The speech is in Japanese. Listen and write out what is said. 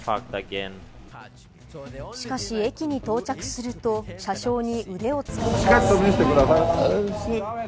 しかし、駅に到着すると車掌に腕をつかまれます。